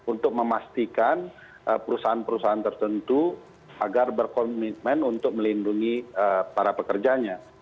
untuk memastikan perusahaan perusahaan tertentu agar berkomitmen untuk melindungi para pekerjanya